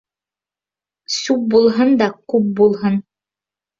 Сүп булһын да, күп булһын.